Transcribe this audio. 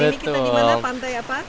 ini kita dimana pantai apa